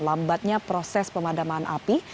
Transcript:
lambatnya proses pemadaman api